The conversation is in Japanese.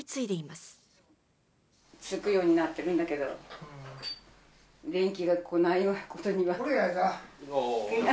つくようになってるんだけど、電気が来ないことには。